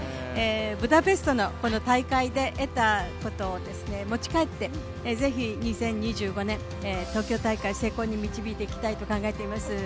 ブダペストの大会で得たことを持ち帰ってぜひ２０２５年東京大会、成功に導いていきたいと考えております。